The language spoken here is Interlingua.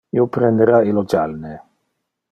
Io prendera illo jalne.